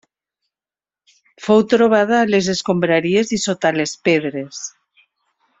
Fou trobada a les escombraries i sota les pedres.